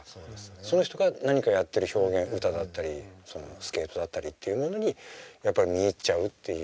その人が何かやってる表現歌だったりスケートだったりっていうものにやっぱり見入っちゃうっていう。